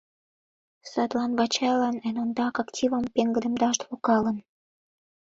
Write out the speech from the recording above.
Садлан Вачайлан эн ондак активым пеҥгыдемдаш логалын.